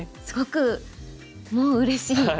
すごくもううれしい。